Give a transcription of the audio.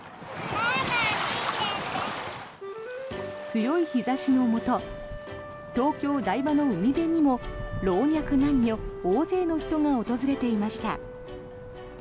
強い日差しのもと東京・台場の海辺にも老若男女、大勢の人が訪れていました。